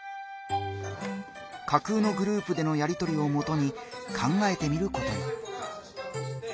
架空のグループでのやりとりをもとに考えてみることに。